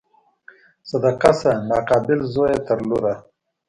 صدقه شه ناقابل زویه تر لوره